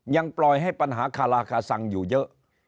ยังปล่อยให้ปัญหาคาราคาสังอยู่เยอะ